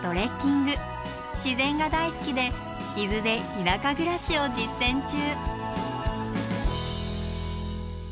自然が大好きで伊豆で田舎暮らしを実践中。